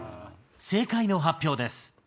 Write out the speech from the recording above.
正解の発表です。